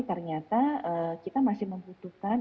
ternyata kita masih membutuhkan